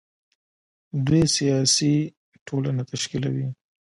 دوی سیاسي ټولنه تشکیلوي.